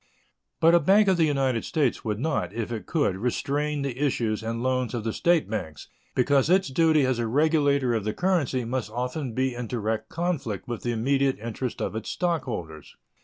But a bank of the United States would not, if it could, restrain the issues and loans of the State banks, because its duty as a regulator of the currency must often be in direct conflict with the immediate interest of its stockholders.